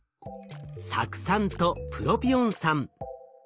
酢酸とプロピオン酸。